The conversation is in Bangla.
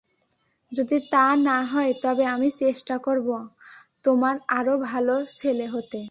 যদি তা না হয় তবে আমি চেষ্টা করব, তোমার আরও ভাল ছেলে হতে।